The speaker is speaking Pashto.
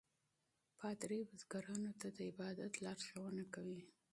پادري بزګرانو ته د عبادت لارښوونه کوي.